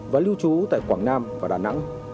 và lưu trú tại quảng nam và đà nẵng